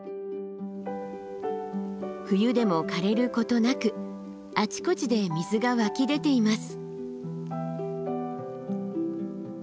冬でもかれることなくあちこちで水が湧き出ています。